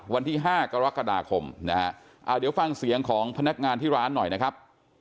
วันที่๕กรกฎาคมนะฮะเดี๋ยวฟังเสียงของพนักงานที่ร้านหน่อยนะครับ